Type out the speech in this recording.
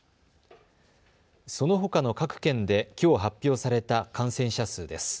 そのほかの各県できょう発表された感染者数です。